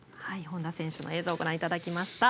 本田選手の映像ご覧いただきました。